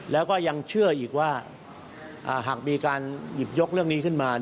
แล้วก็ยังเชื่ออีกว่าหากมีการหยิบยกเรื่องนี้ขึ้นมา